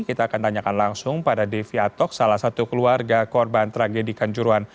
kita akan tanyakan langsung pada devi atok salah satu keluarga korban tragedi kanjuruan